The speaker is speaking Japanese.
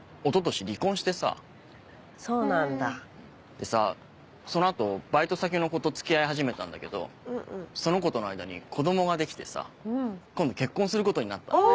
でさその後バイト先の子と付き合い始めたんだけどその子との間に子供ができてさ今度結婚することになったのね。